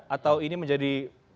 atau ini menjadi